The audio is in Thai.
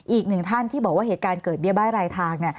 อีกหนึ่งท่านที่บอกว่าเหตุการณ์เกิดเบี้ยบ้ายรายทาง